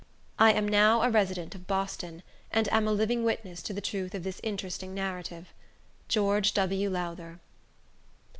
I am now a resident of Boston, and am a living witness to the truth of this interesting narrative. George W. Lowther.